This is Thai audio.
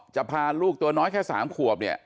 จะพาลูกตัวน้อยแค่๓ขวบ